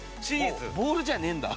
もうボールじゃねえんだ。